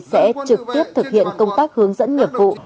sẽ trực tiếp thực hiện công tác hướng dẫn nghiệp vụ